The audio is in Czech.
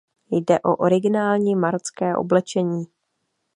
Jde o originální marocké oblečení.